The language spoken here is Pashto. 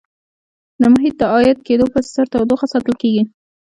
د محیط د عایق کېدو په اثر تودوخه ساتل کیږي.